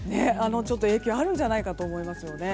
ちょっと影響があるんじゃないかと思います。